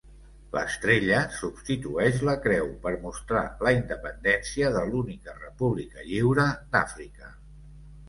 L'estrella substitueix la creu per mostrar la independència de l'única república lliure d'Àfrica.